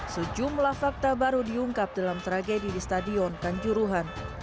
sejumlah fakta baru diungkap dalam tragedi di stadion kanjuruhan